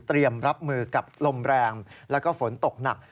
รับมือกับลมแรงแล้วก็ฝนตกหนัก